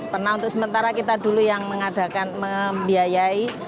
pernah untuk sementara kita dulu yang mengadakan membiayai